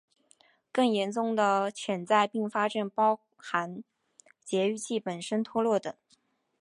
更严重的潜在并发症包含节育器本身脱落等。